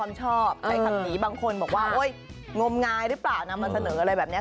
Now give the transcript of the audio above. ชอบใช้คำนี้บางคนบอกว่าโอ๊ยงมงายหรือเปล่านำมาเสนออะไรแบบนี้